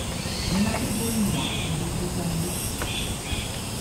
Je m’appelle Galinois… mais je ne réclamerai pas.